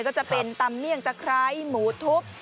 ก็จะเป็นตำเมี่ยงตะไคร้หมูทุบ